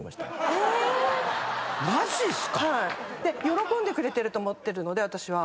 喜んでくれてると思ってるので私は。